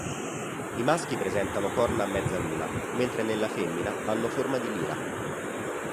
I maschi presentano corna a mezza luna, mentre nella femmina hanno forma di lira.